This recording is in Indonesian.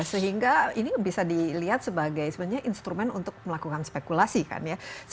sehingga ini bisa dilihat sebagai sebenarnya instrumen untuk melakukan spekulasi kan ya